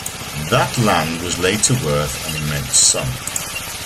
That land was later worth an immense sum.